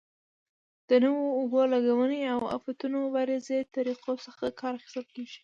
د نویو اوبه لګونې او آفتونو مبارزې طریقو څخه کار اخیستل کېږي.